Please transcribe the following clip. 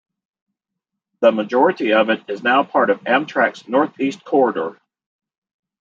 The majority of it is now part of Amtrak's Northeast Corridor.